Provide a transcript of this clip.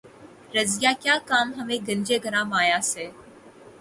رضیہؔ کیا کام ہمیں گنج گراں مایہ سے